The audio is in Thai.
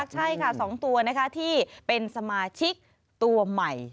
ใช่ค่ะ๒ตัวนะคะที่เป็นสมาชิกตัวใหม่